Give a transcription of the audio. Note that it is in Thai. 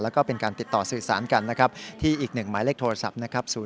และเป็นการติดต่อสื่อสารกันที่อีก๑หมายเลขโทรศัพท์๐๒๕๒๘๙๙๙๙